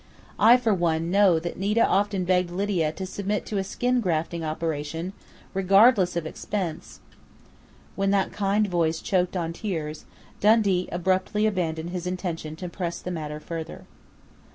I, for one, know that Nita often begged Lydia to submit to a skin grafting operation, regardless of expense " When that kind voice choked on tears, Dundee abruptly abandoned his intention to press the matter further.